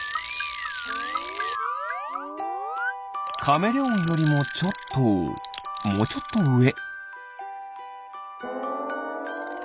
カメレオンよりもちょっともうちょっとうえ。